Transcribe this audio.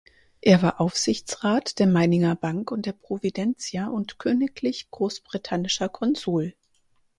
Er war Aufsichtsrat der Meininger Bank und der Providentia und königlich großbritannischer Konsul.